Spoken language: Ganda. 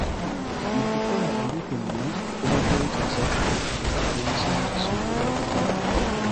Mu kukola ebyo byonna, kuba kwekaza, nga ab'ensangi zino bwebagamba.